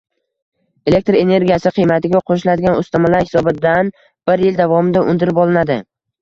elektr energiyasi qiymatiga qo‘shiladigan ustamalar hisobidan bir yil davomida undirib olinadi.